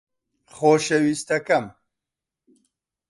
خۆشەویستەکەم